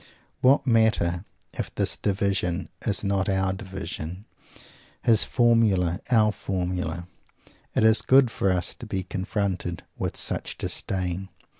What matter if his "division" is not our "division," his "formula" our "formula"? It is good for us to be confronted with such Disdain.